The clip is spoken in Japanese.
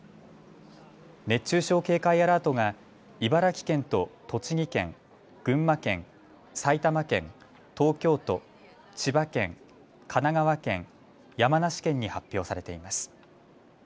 熱中症警戒アラートが茨城県と栃木県、群馬県、埼玉県、東京都、千葉県、神奈川県、山梨県に発表されています。